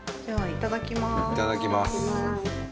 いただきます。